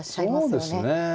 そうですね。